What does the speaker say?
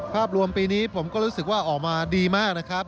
ภาพรวมปีนี้ผมก็รู้สึกว่าออกมาดีมากนะครับ